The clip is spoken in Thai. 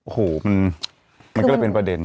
โอ้โหมันก็เลยเป็นประเด็น